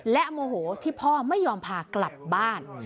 และโมโหที่พ่อไม่ยอมพากลับบ้าน